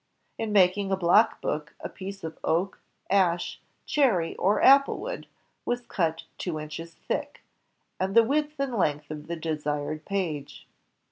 In making a block book, a piece of oak, ash, cherry, or apple wood was cut two inches thick, and the width and length of the desired page.